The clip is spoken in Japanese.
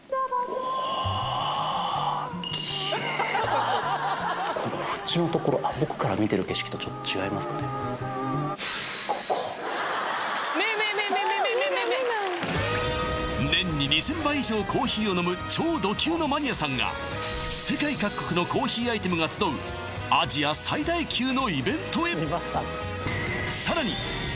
お目が目が年に２０００杯以上コーヒーを飲む超ド級のマニアさんが世界各国のコーヒーアイテムが集うアジア最大級のイベントへ見ました？